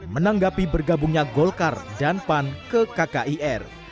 menanggapi bergabungnya golkar dan pan ke kkir